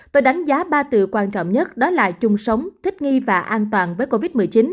tôi đánh giá ba từ quan trọng nhất đó là chung sống thích nghi và an toàn với covid một mươi chín